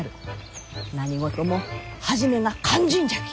何事も初めが肝心じゃき！